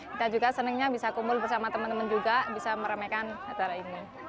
kita juga senangnya bisa kumpul bersama teman teman juga bisa meramaikan acara ini